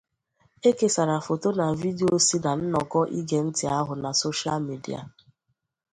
E kesara foto na vidiyo si na nnọkọ ige ntị ahụ na soshal midia.